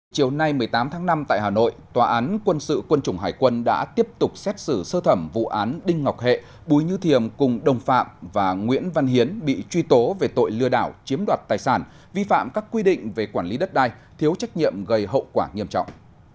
chiều nay một mươi tám tháng năm tại hà nội tòa án quân sự quân chủng hải quân đã tiếp tục xét xử sơ thẩm vụ án đinh ngọc hệ bùi như thiềm cùng đồng phạm và nguyễn văn hiến bị truy tố về tội lừa đảo chiếm đoạt tài sản vi phạm các quy định về quản lý đất đai thiếu trách nhiệm gây hậu quả nghiêm trọng